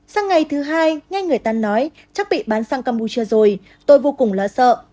sang ngày thứ hai nghe người ta nói chắc bị bán sang campuchia rồi tôi vô cùng lo sợ